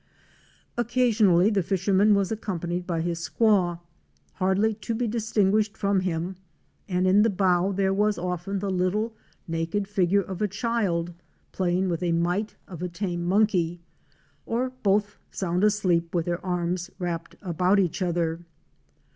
Occasionally the fisherman was accompanied by his squaw, hardly to be distinguished from him, and in the bow there was often the little naked figure of a child playing with a mite of a tame monkey, or both sound asleep with their arms wrapped about each other.